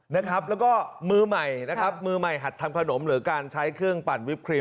แล้วก็มือใหม่นะครับมือใหม่หัดทำขนมหรือการใช้เครื่องปั่นวิปครีม